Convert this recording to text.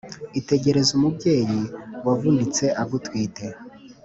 Itegereze umubyeyi Wavunitse agutwite